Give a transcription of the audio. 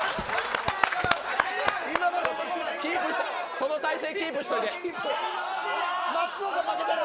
その体勢キープしておいて。